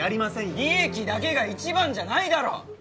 利益だけが一番じゃないだろ！